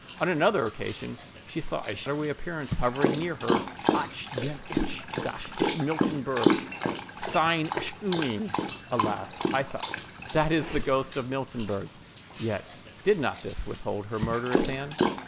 On another occasion, she saw a shadowy appearance hovering near her—"Ach! denke ich, das ist Miltenburg, seine erscheinung!"—(Alas! thought I, that is the ghost of Miltenburg!) Yet did not this withhold her murderous hand.